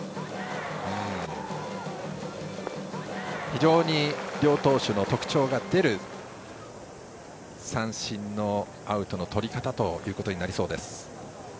非常に両投手の特徴が出る三振のアウトのとり方となりそうです。